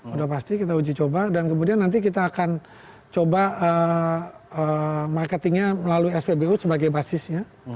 udah pasti kita uji coba dan kemudian nanti kita akan coba marketingnya melalui spbu sebagai basisnya